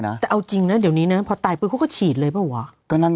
น้ะเอาจริงนะเดี๋ยวนี้นะพอตายไปคุกก็ฉีดเลยเปล่าวะก็นั่ง